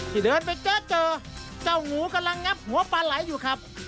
ที่เดินไปเจอเจอเจ้างูกำลังงับหัวปลาไหลอยู่ครับ